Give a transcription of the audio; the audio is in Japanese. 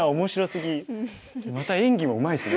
また演技もうまいですね。